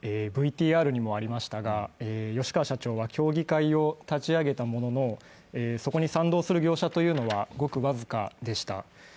ＶＴＲにもありましたが、吉川社長は協議会を立ち上げたもののそこに賛同する業者はごく僅かでした。